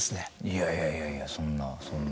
いやいやいやいやそんなそんな。